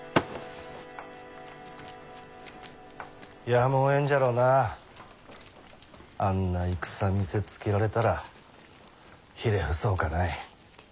やむをえんじゃろうなあんな戦見せつけられたらひれ伏すほかない。